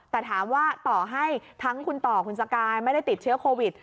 แต่ถามว่าต่อให้ทั้งคุณต่อคุณสกายไม่ได้ติดเชื้อโควิด